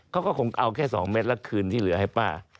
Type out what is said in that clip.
เขาก็คงเอาแค่๒เม็ดแล้วคืนที่เหลือให้ป้า